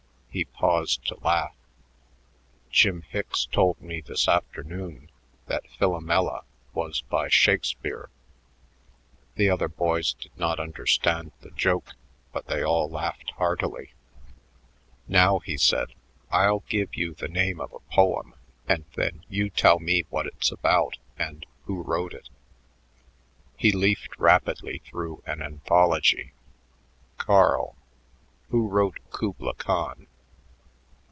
He paused to laugh. "Jim Hicks told me this afternoon that 'Philomela' was by Shakspere." The other boys did not understand the joke, but they all laughed heartily. "Now," he went on, "I'll give you the name of a poem, and then you tell me what it's about and who wrote it." He leafed rapidly through an anthology. "Carl, who wrote 'Kubla Khan'?"